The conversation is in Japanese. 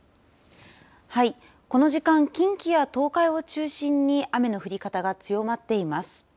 この時間、近畿や東海を中心に雨の降り方が強まっています。